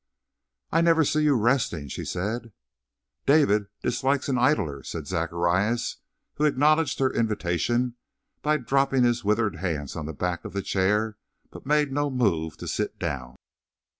"I never see you resting," she said. "David dislikes an idler," said Zacharias, who acknowledged her invitation by dropping his withered hands on the back of the chair, but made no move to sit down.